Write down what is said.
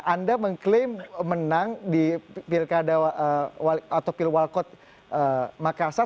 anda mengklaim menang di pilkada atau pilwal kota makassar